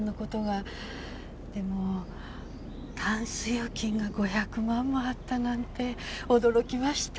でもタンス預金が５００万もあったなんて驚きました。